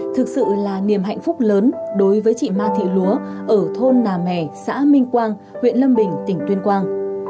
thực sự là niềm hạnh phúc lớn đối với chị ma thị lúa ở thôn nà mè xã minh quang huyện lâm bình tỉnh tuyên quang